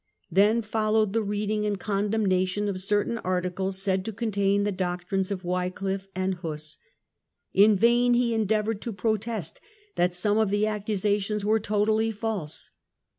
Then followed the reading and condemnation of certain articles, said to contain the doctrines of Wycliffe and Huss, In vain he endeavoured to protest that some of the accusations were totally false.